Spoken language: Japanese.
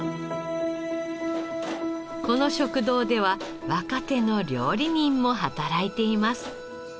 この食堂では若手の料理人も働いています。